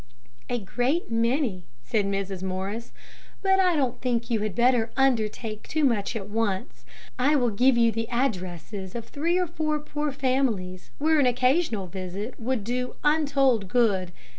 "A great many," said Mrs. Morris; "but I don't think you had better undertake too much at once. I will give you the addresses of three or four poor families, where an occasional visit would do untold good.